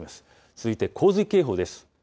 続いて洪水警報です。